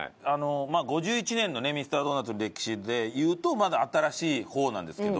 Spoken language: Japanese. ５１年のねミスタードーナツの歴史でいうとまだ新しい方なんですけど。